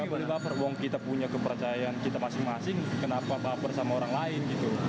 gak boleh baper kita punya kepercayaan kita masing masing kenapa baper sama orang lain